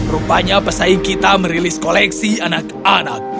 rupanya pesaing kita merilis koleksi anak anak